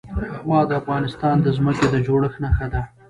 هوا د افغانستان د ځمکې د جوړښت نښه ده.